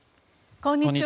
こんにちは。